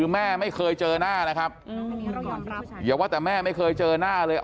แม่ไม่เคยเจอหน้านะครับอย่าว่าแต่แม่ไม่เคยเจอหน้าเลย